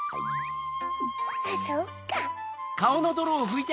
あっそっか！